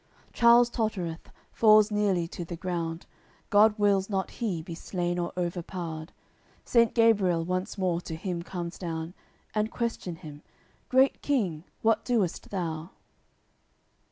Charles tottereth, falls nearly to the ground; God wills not he be slain or overpow'red. Saint Gabriel once more to him comes down, And questions him "Great King, what doest thou?"